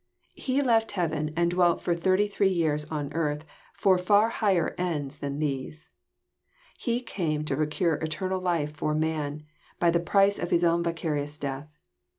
He left heaven, and dwelt JOHN, CHAP. X. 189 for thirty three years on earth for far higher ends than these. He came to procure eternal life for man, by the price of His own vicarious death.